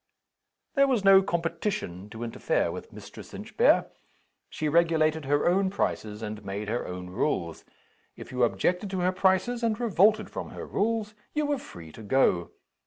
There was no competition to interfere with Mistress Inchbare. She regulated her own prices, and made her own rules. If you objected to her prices, and revolted from her rules, you were free to go.